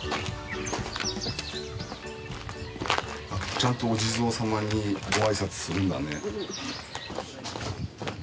ちゃんとお地蔵様にごあいさつするんだね。